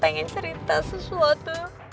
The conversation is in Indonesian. pengen cerita sesuatu